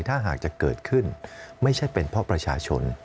ถ้าหากจะเกิดขึ้นไม่ใช่เป็นเพราะประชาชน